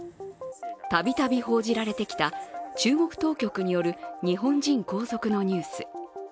たびたび報じられてきた中国当局による日本人拘束のニュース。